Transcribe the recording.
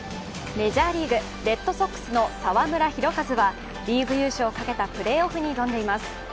メジャーリーグ・レッドソックスの澤村拓一はリーグ優勝をかけたプレーオフに挑んでいます。